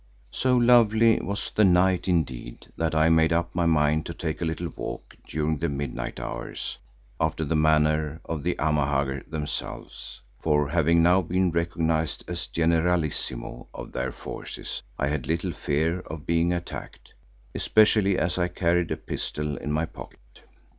So lovely was the night indeed that I made up my mind to take a little walk during the midnight hours, after the manner of the Amahagger themselves, for having now been recognised as Generalissimo of their forces, I had little fear of being attacked, especially as I carried a pistol in my pocket.